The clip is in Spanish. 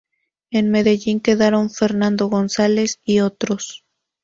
En Medellín quedaron Fernando González y otros.